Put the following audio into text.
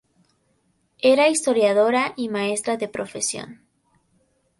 Era historiadora y maestra de profesión.